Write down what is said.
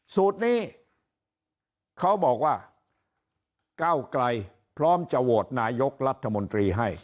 สูตรนี้เขาบอกว่าก้าวไกลพร้อมจะโหวตนายกรัฐมนตรีให้